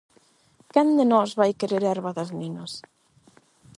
Quen de nós vai querer a herba das nenas?